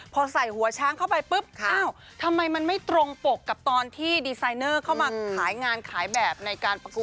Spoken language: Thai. พอใส่หัวช้างเข้าไปปุ๊บอ้าวทำไมมันไม่ตรงปกกับตอนที่ดีไซเนอร์เข้ามาขายงานขายแบบในการประกวด